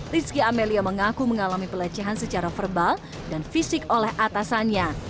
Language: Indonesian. rizky amelia mengaku mengalami pelecehan secara verbal dan fisik oleh atasannya